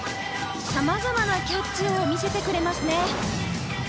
様々なキャッチを見せてくれますね。